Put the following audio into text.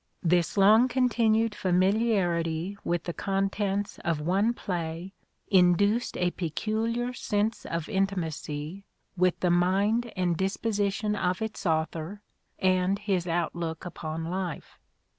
This long continued familiarity with the contents of one play induced a peculiar sense of intimacy with the mind and disposition of its author and his outlook upon life.